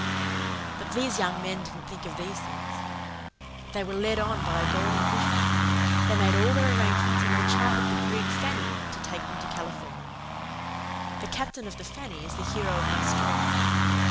"But these young men didn't think of these things; they were led on by a golden vision. They made all their arrangements, and they chartered the brig Fanny to take them to California. "The captain of the Fanny is the hero of my story.